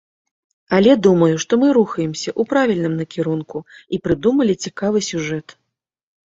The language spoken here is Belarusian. Але, думаю, што мы рухаемся ў правільным накірунку і прыдумалі цікавы сюжэт.